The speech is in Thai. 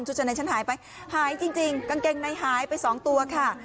เจอในฉันหายไปหายจริงกางเกงในหายไปสองตัวค่ะ